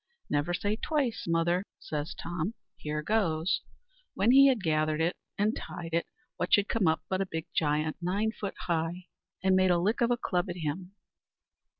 "Never say't twice, mother," says Tom "here goes." When he had it gathered and tied, what should come up but a big giant, nine foot high, and made a lick of a club at him.